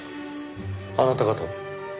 あなた方は？